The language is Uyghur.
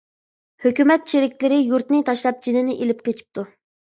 ھۆكۈمەت چېرىكلىرى يۇرتنى تاشلاپ جېنىنى ئېلىپ قېچىپتۇ.